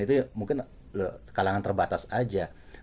itu ya mungkin kalangan terbatas aja